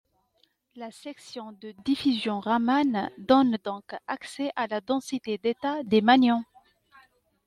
La section de diffusion Raman donne donc accès à la densité d'états des magnons.